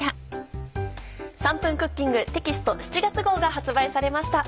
『３分クッキング』テキスト７月号が発売されました。